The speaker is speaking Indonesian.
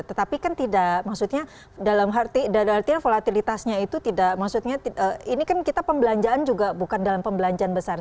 tetapi kan tidak maksudnya dalam artian volatilitasnya itu tidak maksudnya ini kan kita pembelanjaan juga bukan dalam pembelanjaan besar